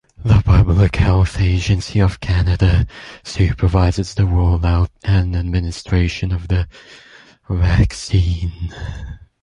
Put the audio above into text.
The Public Health Agency of Canada supervises the rollout and administration of the vaccine.